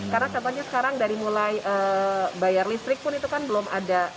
karena contohnya sekarang dari mulai bayar listrik pun itu kan belum ada